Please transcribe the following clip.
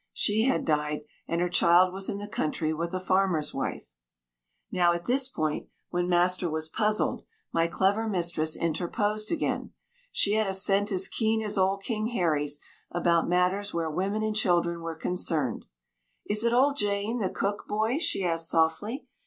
She had died, and her child was in the country with a farmer's wife.) Now at this point, when master was puzzled, my clever mistress interposed again. She had a scent as keen as old King Harry's, about matters where women and children were concerned. "Is it old Jane, the cook, Boy?" she asked softly.